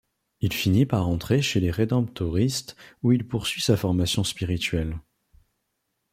Il finit par entrer chez les Rédemptoristes où il poursuit sa formation spirituelle.